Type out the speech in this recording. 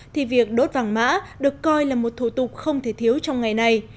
thì việc đốt vàng mã được coi là một thủ tục không thể thiếu trong ngày này